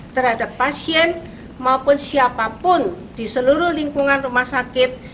terhadap pasien maupun siapapun di seluruh lingkungan rumah sakit